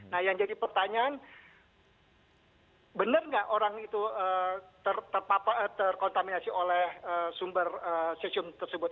nah yang jadi pertanyaan benar nggak orang itu terkontaminasi oleh sumber cesium tersebut